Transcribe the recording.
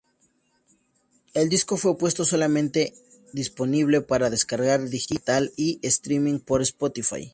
El disco fue puesto solamente disponible para descarga digital y streaming por Spotify.